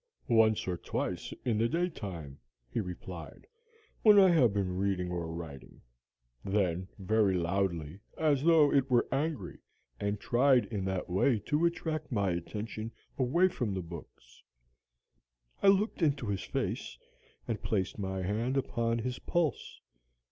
"'Once or twice in the daytime,' he replied, 'when I have been reading or writing; then very loudly, as though it were angry, and tried in that way to attract my attention away from my books.' "I looked into his face, and placed my hand upon his pulse.